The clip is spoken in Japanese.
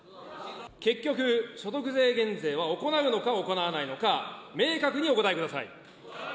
結局、所得税減税は行うのか行わないのか、明確にお答えください。